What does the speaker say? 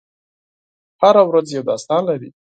هره ورځ یو داستان لري.